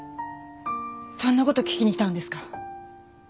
そんな事聞きに来たんですか？